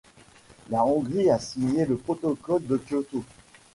La Hongrie a signé le protocole de Kyoto.